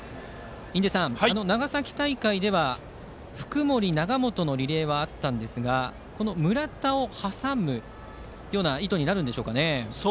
印出さん、長崎大会で福盛、永本のリレーはありましたがこの村田を挟むような意図になるんでしょうか。